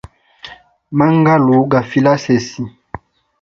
Mangalu, gafile asesi.